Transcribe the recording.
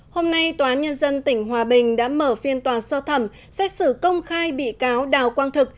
hôm nay tòa án nhân dân tỉnh hòa bình đã mở phiên tòa sơ thẩm xét xử công khai bị cáo đào quang thực